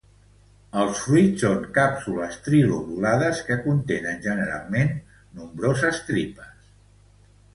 Els fruits són càpsules trilobulades que contenen generalment nombroses tripes.